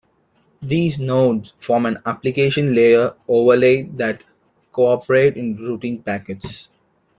These nodes form an application layer overlay that cooperate in routing packets.